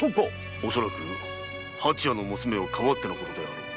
おそらく蜂屋の娘をかばってのことであろう。